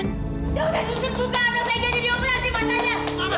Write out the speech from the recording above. nggak usah susit buka alat saya ganti dia pulang sih matanya